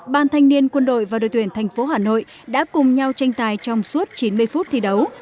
ban thanh niên quân đội và đội tuyển thành phố hà nội đã cùng nhau tranh tài trong suốt chín mươi phút thi đấu